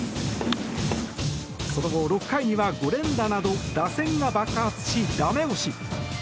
その後、６回には５連打など打線が爆発し駄目押し。